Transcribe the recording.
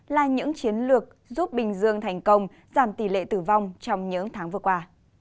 là những chiến lược giúp bình dương thành công giảm tỷ lệ tử vong trong những tháng vừa qua